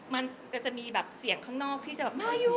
มันจะมีเสียงข้างนอกที่จะมาอยู่